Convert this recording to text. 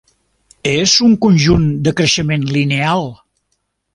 És un conjunt de creixement lineal.